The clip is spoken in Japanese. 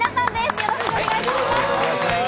よろしくお願いします。